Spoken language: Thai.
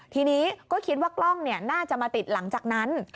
ทีนี้ก็คิดว่ากล้องน่าจะมาติดหลังจากนั้น